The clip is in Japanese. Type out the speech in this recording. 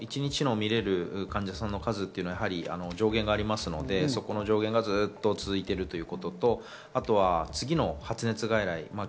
一日で診れる患者さんの数は上限がありますので、その上限がずっと続いているということと、あとは次の発熱外来。